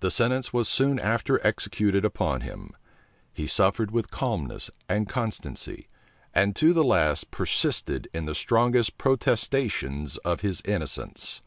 The sentence was soon after executed upon him.[*] He suffered with calmness and constancy, and to the last persisted in the strongest protestations of his innocence.